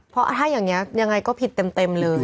เพราะถ้าอย่างนี้ยังไงก็ผิดเต็มเลย